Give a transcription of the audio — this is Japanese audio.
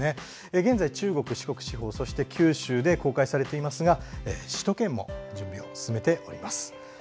現在、中国・四国地方、九州で公開されていますが首都圏も準備を進めております。